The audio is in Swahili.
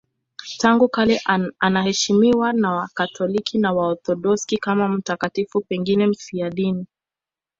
Tangu kale anaheshimiwa na Wakatoliki na Waorthodoksi kama mtakatifu, pengine mfiadini.